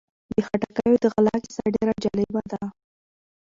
د خټکیو د غله کیسه ډېره جالبه ده.